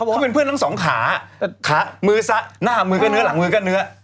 เขาเป็นเพื่อนทั้งสองขาขามือซะหน้ามือก็เนื้อหลังมือก็เนื้อ